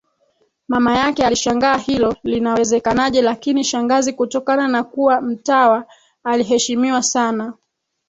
Mama yake alishangaa hilo linawezekanaje lakini shangazi kutokana na kuwa mtawa aliheshimiwa sana